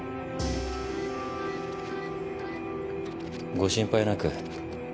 ご心配なく。